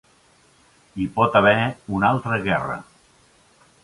Hi pot haver una altra guerra.